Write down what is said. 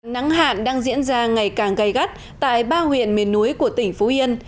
nắng hạn đang diễn ra ngày càng gây gắt tại ba huyện miền núi của tỉnh phú yên